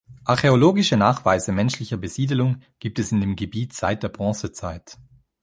Archäologische Nachweise menschlicher Besiedelung gibt es in dem Gebiet seit der Bronzezeit.